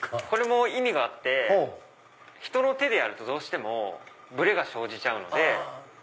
これも意味があって人の手でやるとどうしてもブレが生じちゃうので。